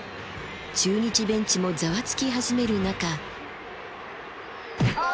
中日ベンチもざわつき始める中。